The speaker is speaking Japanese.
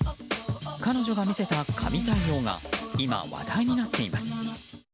彼女が見せた神対応が今話題になっています。